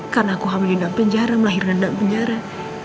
karena aku hamil di dalam penjara melahir di dalam penjara